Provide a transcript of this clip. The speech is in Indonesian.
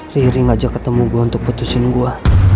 riri ngajak ketemu gue untuk putusin gue